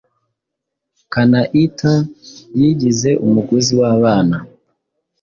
kanaitha yigize umuguzi wabana